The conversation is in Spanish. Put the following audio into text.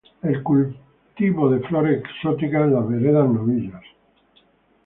El cultivo de flores exóticas en la vereda Novillos.